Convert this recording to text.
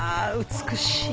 美しい。